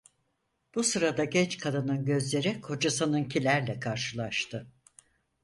Bu sırada genç kadının gözleri kocasınınkilerle karşılaştı.